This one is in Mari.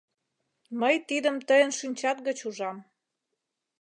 Мый тидым тыйын шинчат гыч ужам.